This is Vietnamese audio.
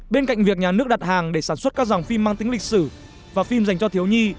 bên cạnh việc nhà nước đặt hàng để sản xuất các dòng phim mang tính lịch sử và phim dành cho thiếu nhi